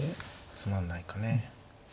つまんないかね。